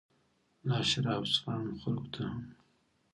له اشرافو څخه عامو خلکو ته هم.